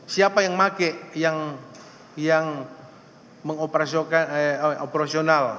siapa yang pakai yang mengoperasiokan operasional